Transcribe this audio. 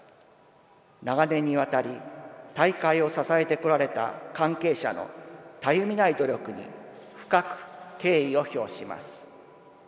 長年にわたり大会を支えてこられた関係者のたゆみない努力に深く敬意を表します。